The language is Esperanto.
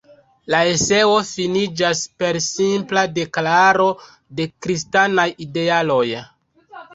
La eseo finiĝas per simpla deklaro de kristanaj idealoj.